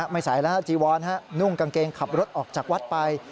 ไม่ใส่แล้วจีวอนนุ่งกางเกงขับรถออกจากวัดไป